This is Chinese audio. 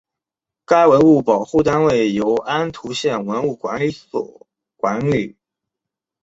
该文物保护单位由安图县文物管理所管理。